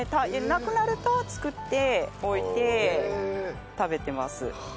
なくなると作っておいて食べてます。